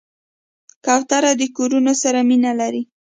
کوتره د کورونو سره مینه لري.